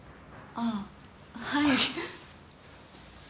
ああはい。